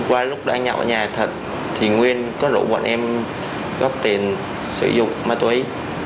qua lúc đang nhậu ở nhà thịt thì nguyên có rủ bọn em góp tiền sử dụng ma túy